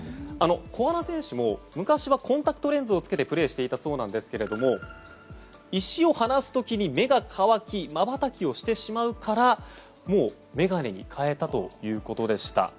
小穴選手も昔はコンタクトレンズをつけてプレーしていたそうなんですけど石を離す時に目が乾きまばたきをしてしまうから眼鏡に変えたということでした。